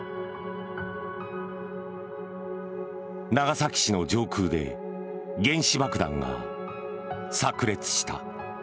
長崎市の上空で原子爆弾がさく裂した。